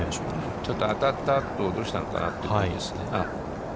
ちょっと当たったあと、どうしたのかなという感じですね。